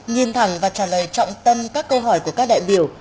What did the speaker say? nhìn thẳng và trả lời trọng tâm các câu hỏi của các đại biểu